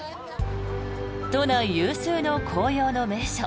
都内有数の紅葉の名所